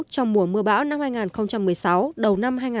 trong mùa mưa bão năm hai nghìn một mươi sáu đầu năm hai nghìn một mươi bảy